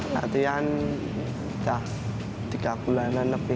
latihan sudah tiga bulanan lebih